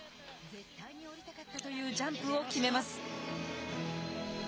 絶対に降りたかったというジャンプを決めます。